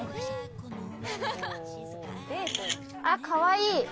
かわいい！